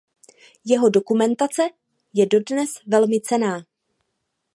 Jeho dokumentace je dodnes velmi cenná.